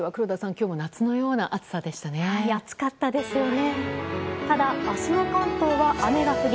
今日も夏のような暑さでしたね。